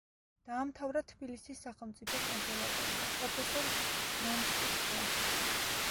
დაამთავრა თბილისის სახელმწიფო კონსერვატორია, პროფესორ ვრონსკის კლასით.